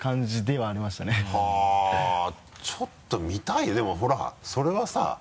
ちょっと見たいでもほらそれはさ。